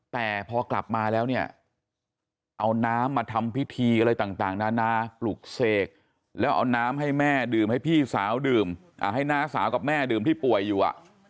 แต่พอกลับมาแล้วเนี่ยเอาน้ำมาทำพิธีอะไรต่างนานาปลุกเสกแล้วเอาน้ำให้แม่ดื่มให้พี่สาวดื่มให้น้าสาวกับแม่ดื่มที่ป่วยอยู่